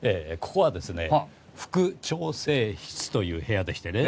ここは副調整室という部屋でしてね。